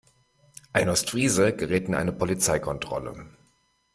Ein Ostfriese gerät in eine Polizeikontrolle.